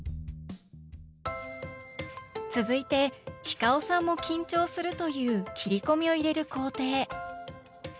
続いてｈｉｃａｏさんも緊張するという切り込みを入れる工程。